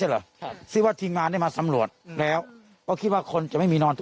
เหรอครับซิว่าทีมงานได้มาสำรวจแล้วก็คิดว่าคนจะไม่มีนอนต่อ